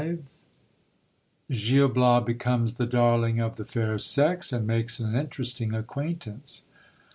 V. — Gil Bias becomes the darling of the fair sex, and makes an interesting acquaintance.